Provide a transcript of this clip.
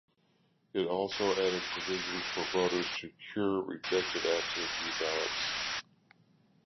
It also added provisions for voters to "cure" rejected absentee ballots.